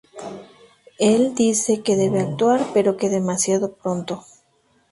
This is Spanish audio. Él dice que debe actuar pero que demasiado pronto.